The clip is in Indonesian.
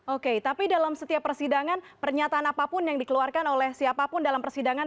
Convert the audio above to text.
oke tapi dalam setiap persidangan pernyataan apapun yang dikeluarkan oleh siapapun dalam persidangan